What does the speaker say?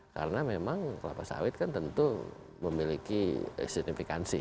karena memang kelapa sawit kan tentu memiliki signifikansi